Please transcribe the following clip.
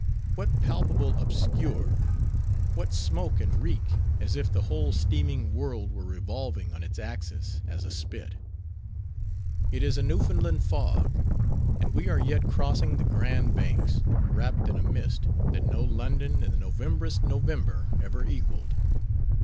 What palpable obscure? What smoke and reek, as if the whole steaming world were revolving on its axis, as a spit? It is a Newfoundland Fog; and we are yet crossing the Grand Banks, wrapt in a mist, that no London in the Novemberest November ever equaled.